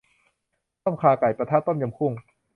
ต้มข่าไก่ ปะทะ ต้มยำกุ้ง